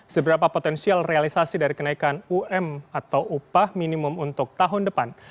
seberapa potensial realisasi dari kenaikan um atau upah minimum untuk tahun depan